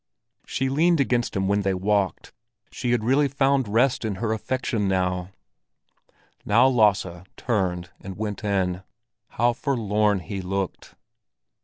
She leaned against him when they walked; she had really found rest in her affection now! Now Lasse turned and went in. How forlorn he looked!